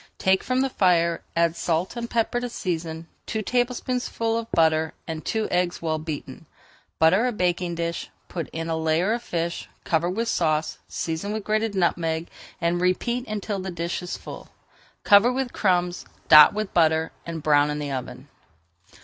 Take from the fire, add salt and pepper to season, two tablespoonfuls of butter, and two eggs well beaten. Butter a baking dish, put in a layer of fish, cover with sauce, season with grated nutmeg, and repeat until the dish is full. Cover with crumbs, dot with butter, and brown in the oven.